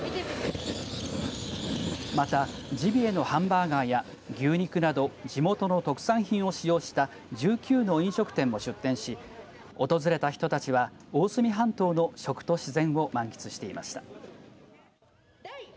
また、ジビエのハンバーガーや牛肉など地元の特産品を使用した１９の飲食店も出展し訪れた人たちは大隅半島の食と自然を満喫していました。